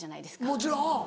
もちろん。